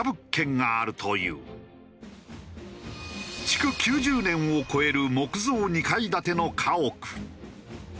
築９０年を超える木造２階建ての家屋。